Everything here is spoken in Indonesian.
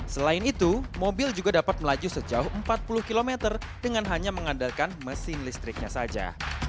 selain itu mobil juga dapat melaju sejauh empat puluh km dengan hanya mengandalkan mesin listriknya saja